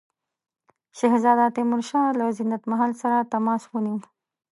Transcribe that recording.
شهزاده تیمورشاه له زینت محل سره تماس ونیو.